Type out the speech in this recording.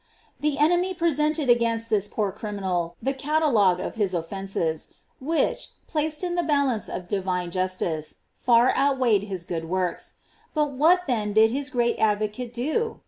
The enemy presented against this poor criminal the catalogue of his offences, which, placed in the balance of divine justice far outweighed his good works ; but what then did his great advocate do